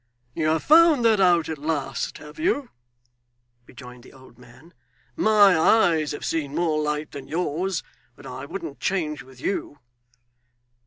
'You have found that out at last, have you?' rejoined the old man. 'My eyes have seen more light than yours, but I wouldn't change with you.